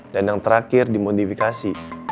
dan yang terakhir dimodifikasi